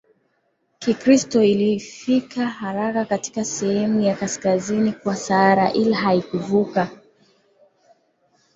Kikristo ilifika haraka katika sehemu ya Kaskazini kwa Sahara ila haikuvuka